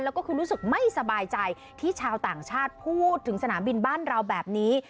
แล้วก็คือรู้สึกไม่สบายใจที่ชาวต่างชาติพูดถึงสนามบินบ้านเราแบบนี้